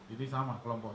ini sama kelompoknya